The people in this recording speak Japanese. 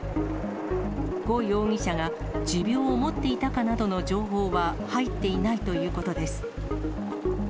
呉容疑者が持病を持っていたかなどの情報は入っていないということです。